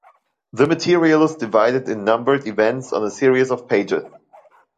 The material is divided in numbered "events" on a series of "pages".